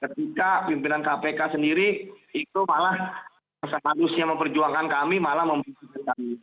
ketika pimpinan kpk sendiri itu malah seharusnya memperjuangkan kami malah memberikan jalan keluar